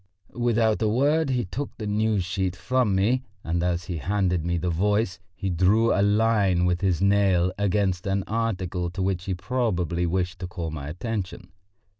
Without a word he took the News sheet from me, and as he handed me the Voice he drew a line with his nail against an article to which he probably wished to call my attention.